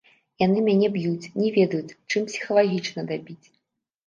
Яны мяне б'юць, не ведаюць, чым псіхалагічна дабіць.